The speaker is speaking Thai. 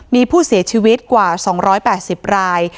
มีผู้เสียชีวิตกว่า๒๘๐ราย